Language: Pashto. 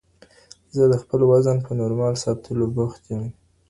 زه د خپل وزن په نورمال ساتلو بوخت یم.